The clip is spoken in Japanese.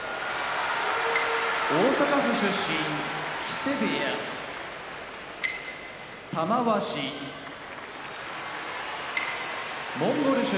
大阪府出身木瀬部屋玉鷲モンゴル出身